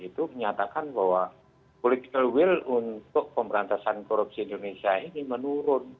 itu menyatakan bahwa political will untuk pemberantasan korupsi indonesia ini menurun